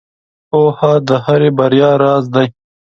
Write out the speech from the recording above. • پوهه د هرې بریا راز دی.